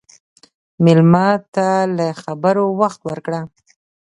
مېلمه ته له خبرو وخت ورکړه.